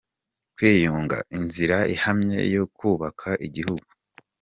Kwiyunga, inzira ihamye yo kubaka igihugu